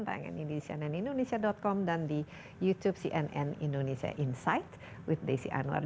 tanya ini di cnn indonesia com dan di youtube cnn indonesia insight with desi anwar